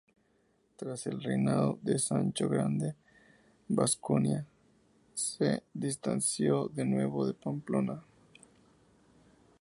Tras el reinado de Sancho el Grande, Vasconia se distanció de nuevo de Pamplona.